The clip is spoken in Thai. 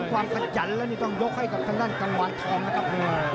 ถึงความขัดจันแล้วนี่ต้องยกให้กับขนาดกัลวานทองนะครับ